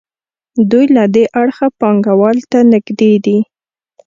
دوی له دې اړخه پانګوال ته نږدې دي.